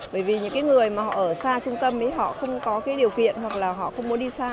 bởi vì những cái người mà họ ở xa trung tâm ấy họ không có cái điều kiện hoặc là họ không muốn đi xa